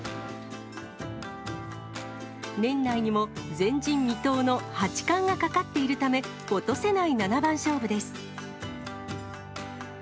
年内にも前人未到の八冠がかかっているため、落とせない七番勝負です。